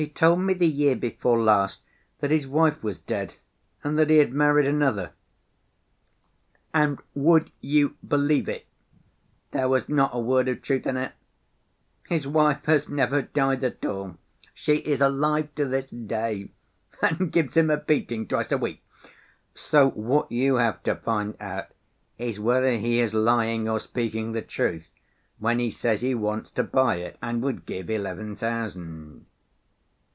He told me the year before last that his wife was dead and that he had married another, and would you believe it, there was not a word of truth in it? His wife has never died at all, she is alive to this day and gives him a beating twice a week. So what you have to find out is whether he is lying or speaking the truth, when he says he wants to buy it and would give eleven thousand."